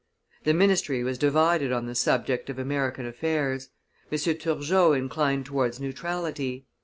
The ministry was divided on the subject of American affairs; M. Turgot inclined towards neutrality.